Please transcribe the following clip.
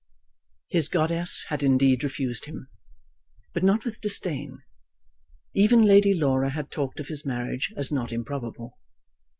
His goddess had indeed refused him, but not with disdain. Even Lady Laura had talked of his marriage as not improbable.